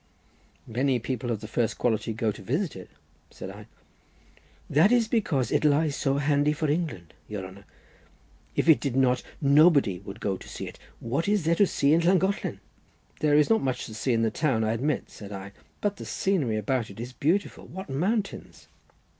"Many people of the first quality go to visit it," said I. "That is because it lies so handy for England, your honour. If it did not, nobody would go to see it. What is there to see in Llangollen?" "There is not much to see in the town, I admit," said I, "but the scenery about it is beautiful; what mountains!"